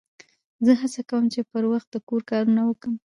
زه هڅه کوم، چي پر وخت د کور کارونه وکم.